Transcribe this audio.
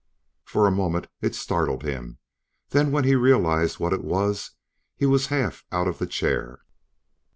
For a moment, it startled him, then, when he had realized what it was, he was half out of the chair...